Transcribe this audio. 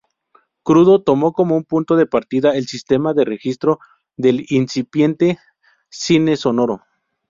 Crudo tomó como punto de partida el sistema de registro del incipiente cine sonoro.